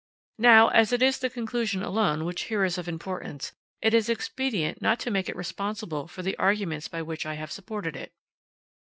Now, as it is the conclusion alone which here is of importance, it is expedient not to make it responsible for the arguments by which I have supported it.